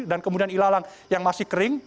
dan kemudian ilalang yang masih kering